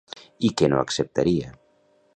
I què no acceptaria?